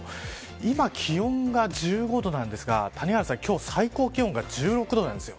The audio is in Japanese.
今気温が１５度なんですが今日、最高気温が１６度なんです。